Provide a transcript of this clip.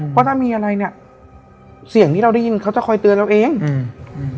เพราะถ้ามีอะไรเนี้ยเสียงที่เราได้ยินเขาจะคอยเตือนเราเองอืมอืม